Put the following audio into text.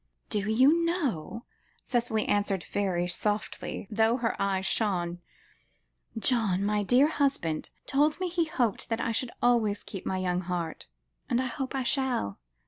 "Do you know," Cicely answered very softly, though her eyes shone, "John, my dear husband, told me he hoped I should always keep my young heart, and I hope I shall.